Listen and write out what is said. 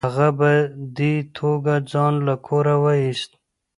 هغه په دې توګه ځان له کوره وایست.